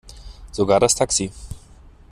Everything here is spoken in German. Sogar das Taxi.